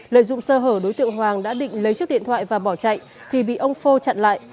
lợi dụng sơ hở đối tượng hoàng đã định lấy chiếc điện thoại và bỏ chạy thì bị ông phô chặn lại